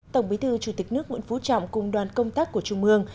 tổng bí thư chủ tịch nước nguyễn phú trọng cùng đoàn công tác của trung ương